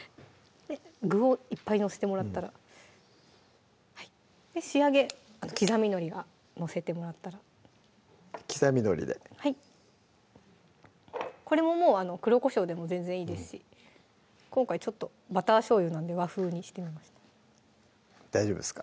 具をいっぱい載せてもらったら仕上げ刻みのり載せてもらったら刻みのりではいこれももう黒こしょうでも全然いいですし今回ちょっとバター醤油なんで和風にしてみました大丈夫ですか？